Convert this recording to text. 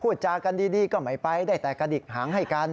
จากันดีก็ไม่ไปได้แต่กระดิกหางให้กัน